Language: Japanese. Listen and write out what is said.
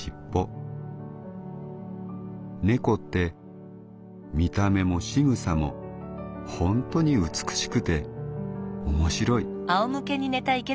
猫って見た目もしぐさもほんとに美しくて面白い」。